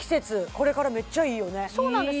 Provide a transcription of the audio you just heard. これからめっちゃいいよねいい！